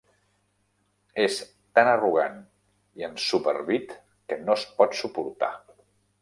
És tan arrogant i ensuperbit que no es pot suportar!